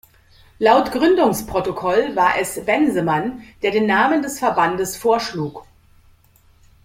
Laut Gründungsprotokoll war es Bensemann, der den Namen des Verbandes vorschlug.